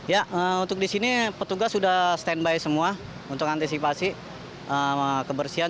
ya untuk di sini petugas sudah standby semua untuk antisipasi kebersihan